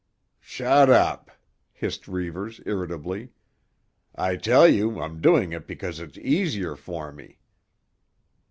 "Shut up!" hissed Reivers irritably. "I tell you I'm doing it because it's easier for me."